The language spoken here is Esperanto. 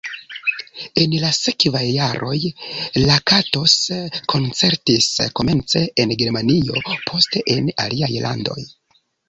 En la sekvaj jaroj Lakatos koncertis, komence en Germanio, poste en aliaj landoj.